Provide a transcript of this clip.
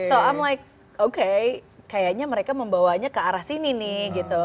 so i'm like oke kayaknya mereka membawanya ke arah sini nih gitu